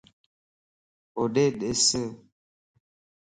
ھوڏي دِس